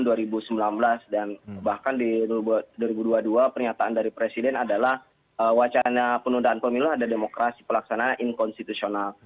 dan bahkan di dua ribu dua puluh dua pernyataan dari presiden adalah wacana penundaan pemilu adalah demokrasi pelaksanaan inkonstitusional